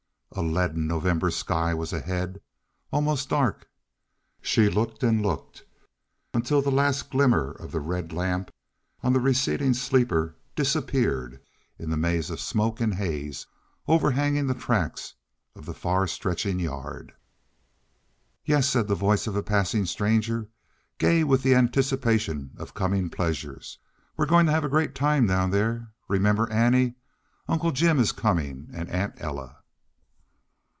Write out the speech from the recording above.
A leaden November sky was ahead, almost dark. She looked, and looked until the last glimmer of the red lamp on the receding sleeper disappeared in the maze of smoke and haze overhanging the tracks of the far stretching yard. "Yes," said the voice of a passing stranger, gay with the anticipation of coming pleasures. "We're going to have a great time down there. Remember Annie? Uncle Jim is coming and Aunt Ella."